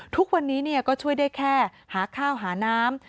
ทุกวันนี้ก็ช่วยได้แค่หาข้าวหาน้ำ